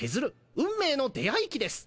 運命の出会い期です！